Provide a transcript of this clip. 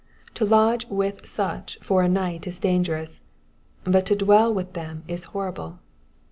To lodge with such for a night is dangerous, but to dwell with them is horrible.